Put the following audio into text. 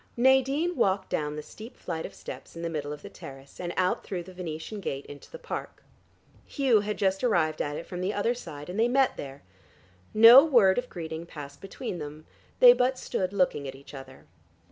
Nadine walked down the steep flight of steps in the middle of the terrace, and out through the Venetian gate into the park. Hugh had just arrived at it from the other side, and they met there. No word of greeting passed between them; they but stood looking at each other.